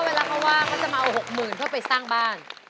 เวลาเขาว่าเขาจะมาเอา๖๐๐๐เพื่อไปสร้างบ้าน